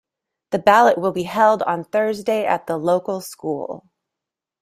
The ballot will be held on Thursday at the local school.